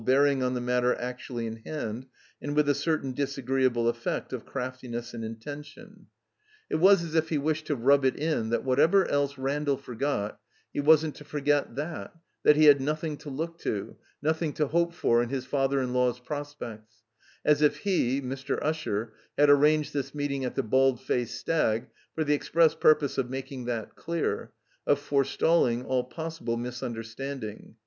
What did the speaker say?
bearing on the matter actually in hand, and with a certain effect ol ct^t.YQss& and intention. It 2%^ THE COMBINED MAZE was as if he wished to rub it in that whatever else Randall forgot, he wasn't to forget that, that he had nothing to look to, nothing to hope for in his father in law's prospects ; as if he, Mr. Usher, had arranged this meeting at the " Bald Paced Stag " for the ex press purpose of making that dear, of forestalling all possible misunderstanding.